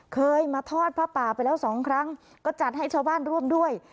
เคยมาทอดผ้าป่าไปแล้วสองครั้งก็จัดให้ชาวบ้านร่วมด้วย